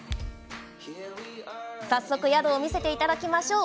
早速、宿を見せていただきましょう。